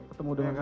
ketemu dengan saya